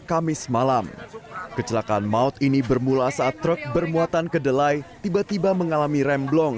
kamis malam kecelakaan maut ini bermula saat truk bermuatan kedelai tiba tiba mengalami remblong